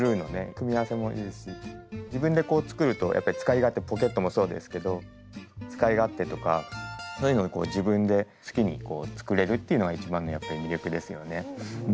組み合わせもいいし自分でこう作るとやっぱ使い勝手もポケットもそうですけど使い勝手とかそういうのをこう自分で好きにこう作れるっていうのが一番のやっぱり魅力ですよね。